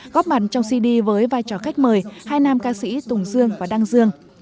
góp mặt trong cd với vai trò khách mời hai nam ca sĩ tùng dương và đăng dương